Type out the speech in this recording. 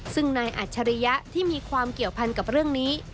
ซึ่งนายอัจฉริยะที่มีความเกี่ยวพันกับเรื่องนี้